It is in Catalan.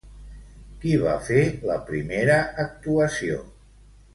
Qui va fer la primera actuació?